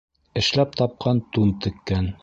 Эшләп тапҡан тун теккән.